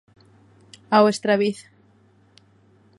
Ao Estraviz.